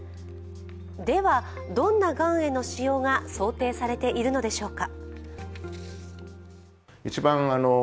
では、どんながんへの使用が想定されているのでしょうか。